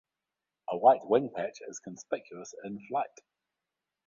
A white wing patch is conspicuous in flight.